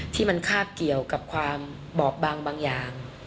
ที่มันคาบเกี่ยวกับความบอบบางอย่าง